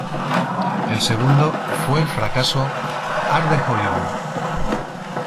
El segundo fue el fracaso "¡Arde Hollywood!